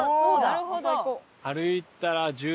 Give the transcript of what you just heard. なるほど！